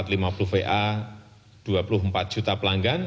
rp lima puluh va dua puluh empat juta pelanggan